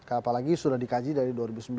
apalagi sudah dikaji dari dua ribu sembilan